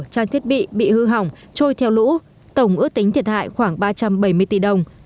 trang thiết bị bị hư hỏng trôi theo lũ tổng ước tính thiệt hại khoảng ba trăm bảy mươi tỷ đồng